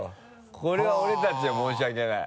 これは俺たち申し訳ない。